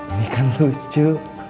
ini kan lucu